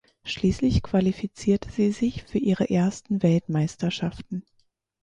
Schließlich qualifizierte sie sich für ihre ersten Weltmeisterschaften.